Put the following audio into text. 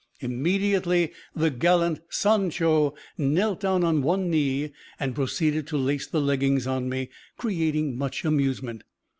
Immediately the gallant "Sancho" knelt down on one knee and proceeded to lace the leggings on me, creating much amusement.